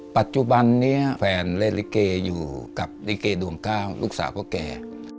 ปัจจุบันนี้แฟนและลิเกย์อยู่กับลิเกย์ดวงเก้าลูกสาวก็แก่